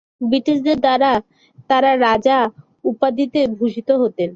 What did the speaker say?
ব্রিটিশদের দ্বারা তারা রাজা উপাধিতে ভূষিত হতেন।